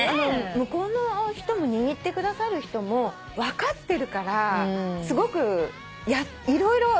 向こうの人も握ってくださる人も分かってるからすごく色々。